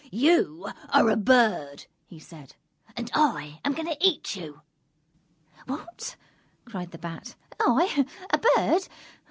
"You are a Bird," he said, "and I am going to eat you!" "What," cried the Bat, "I, a Bird!